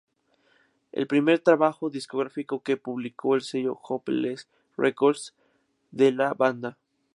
Es el primer trabajo discográfico que publicó el sello Hopeless Records de la banda.